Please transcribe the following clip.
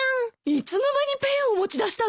いつの間にペンを持ち出したの？